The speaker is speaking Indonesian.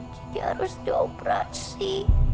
jadi harus dioperasi